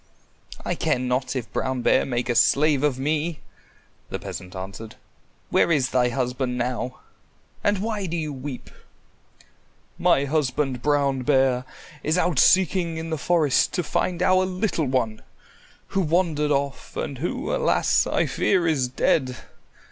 "I care not if Brown Bear make a slave of me," the peasant answered. "Where is thy husband now, and why do you weep?" "My husband, Brown Bear, is out seeking in the forest to find our little one, who wandered off and who, alas, I fear is dead.